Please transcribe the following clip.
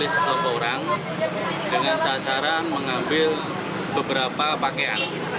satu orang dengan sasaran mengambil beberapa pakaian